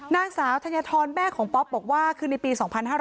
นางสาวธัญฑรแม่ของป๊อปบอกว่าคือในปี๒๕๕๙